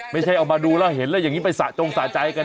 ไม่ใช่เอามาดูแล้วเห็นแล้วอย่างนี้ไปสะจงสะใจกัน